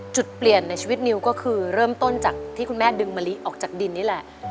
จุดเปลี่ยนในชีวิตนิวก็คือเริ่มต้นจากที่คุณแม่ดึงมะลิออกจากดินนี่แหละ